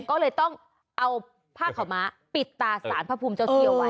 ก็เลยต้องเอาภาคเขามาปิดตาศาลพระภูมิเจ้าเซียวไว้